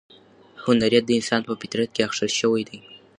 هنریت د انسان په فطرت کې اخښل شوی دی.